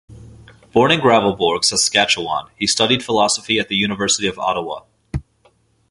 Born in Gravelbourg, Saskatchewan, he studied philosophy at the University of Ottawa.